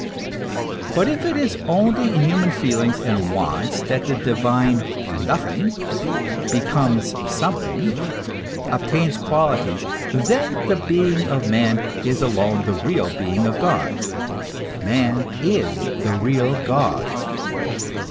But if it is only in human feelings and wants that the divine " nothing" becomes something, obtains qualities, then the being of man is alone the real being of God, man is the real God.